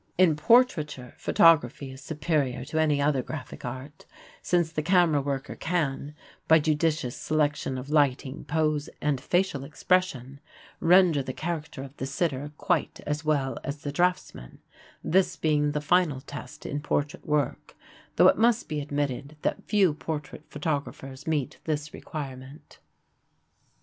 In portraiture, photography is superior to any other graphic art, since the camera worker can, by judicious selection of lighting, pose and facial expression, render the character of the sitter quite as well as the draughtsman, this being the final test in portrait work, though it must be admitted that few portrait photographers meet this requirement.